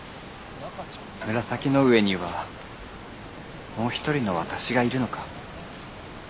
紫の上にはもう一人の私がいるのか。